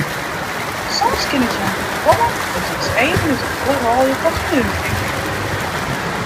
Soms kin it jin oerkomme dat jins eagen út de holle rôlje fan fernuvering.